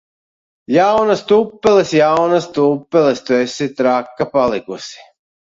Jaunas tupeles! Jaunas tupeles! Tu esi traka palikusi!